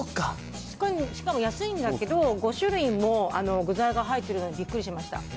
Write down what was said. しかも安いんだけど、５種類も具材が入ってるので、びっくりしました。